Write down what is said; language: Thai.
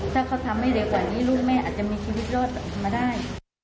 ถ้าเขาทำให้เร็วกว่านี้ลูกแม่อาจจะมีชีวิตรอดมาได้